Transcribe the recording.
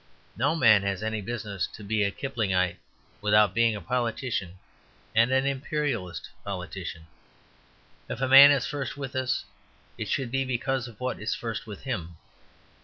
No man has any business to be a Kiplingite without being a politician, and an Imperialist politician. If a man is first with us, it should be because of what is first with him.